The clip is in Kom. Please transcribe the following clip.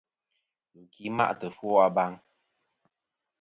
Ghɨki ma'tɨ ɨfwo a baŋ.